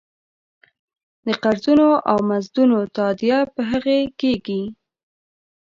د قرضونو او مزدونو تادیه په هغې کېږي.